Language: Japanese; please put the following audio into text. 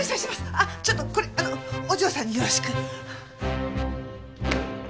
あっちょっとこれあのお嬢さんによろしく。